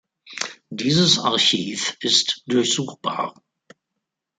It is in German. Dieses Archiv ist durchsuchbar.